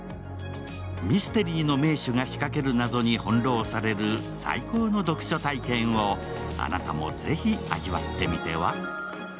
ミステリーの名手が仕掛ける謎に翻弄される最高の読書体験をあなたもぜひ味わってみては？